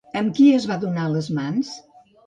Amb qui es va donar les mans?